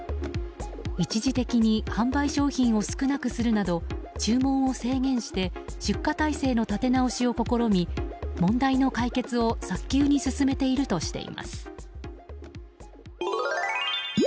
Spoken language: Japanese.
一時的に販売商品を少なくするなど注文を制限して出荷体制の立て直しを試み問題の解決を早急に進めているとしています。